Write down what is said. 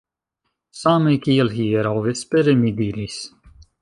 Same kiel hieraŭ vespere, mi diris.